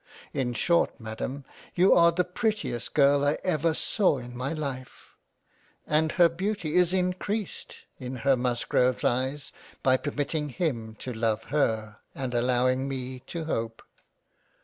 In short Madam you are the prettiest Girl I ever saw in my Life — and her Beauty is encreased in her Musgroves Eyes, by permitting him to love her and allowing me to hope.